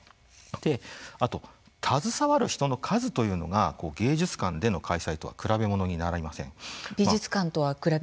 あと携わる人の数というのが美術館での開催とは比べものになりません。